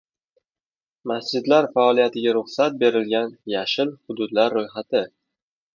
Masjidlar faoliyatiga ruxsat berilgan “yashil” hududlar ro‘yxati